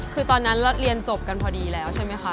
คือตอนนั้นเรียนจบกันพอดีแล้วใช่ไหมคะ